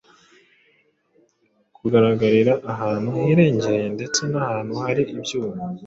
kugaragarira ahantu hirengeye ndetse n’ahantu hari ibyuma